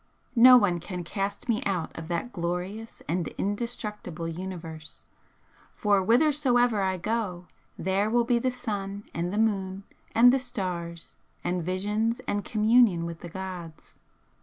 No one can cast me out of that glorious and indestructible Universe, for 'whithersoever I go there will be the sun and the moon, and the stars and visions and communion with the gods.'